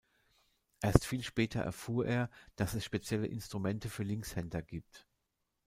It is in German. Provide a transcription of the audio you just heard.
Erst viel später erfuhr er, dass es spezielle Instrumente für Linkshänder gibt.